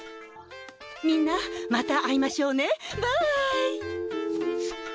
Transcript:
みんなまた会いましょうねバーイ。